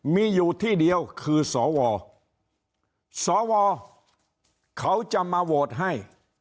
มีอยู่ที่เดียวคือสวสวเขาจะมาโหวตให้